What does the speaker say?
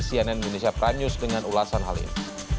cnn indonesia prime news dengan ulasan hal ini